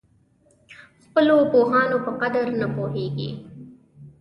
خپلو پوهانو په قدر نه پوهېږي.